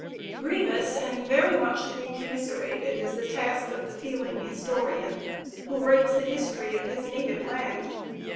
Grievous and very much to be commiserated is the task of the feeling historian who writes the history of his native land.